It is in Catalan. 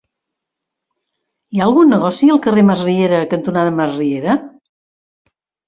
Hi ha algun negoci al carrer Masriera cantonada Masriera?